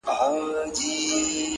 د خپل ژوند عکس ته گوري.